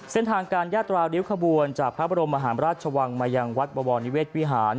เส้นทางการยาตราริ้วขบวนจากพระบรมมหาราชวังมายังวัดบวรนิเวศวิหาร